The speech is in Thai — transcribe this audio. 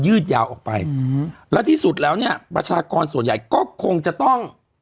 ืดยาวออกไปอืมแล้วที่สุดแล้วเนี่ยประชากรส่วนใหญ่ก็คงจะต้อง